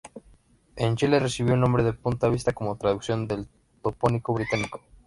En Chile recibió el nombre de punta Vista como traducción del topónimo británico.